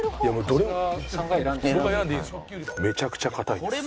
めちゃくちゃ硬いです。